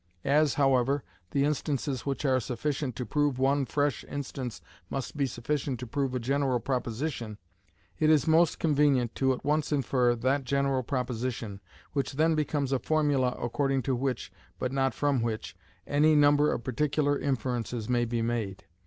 As, however, the instances which are sufficient to prove one fresh instance must be sufficient to prove a general proposition, it is most convenient to at once infer that general proposition, which then becomes a formula according to which (but not from which) any number of particular inferences may be made.